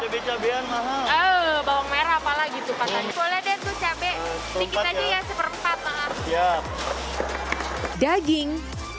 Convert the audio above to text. bawang merah apalagi itu pasang boleh deh tuh cabe dikit aja ya seperempat daging